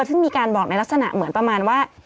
ซึ่งมีการบอกในลักษณะเหมือนประมาณว่า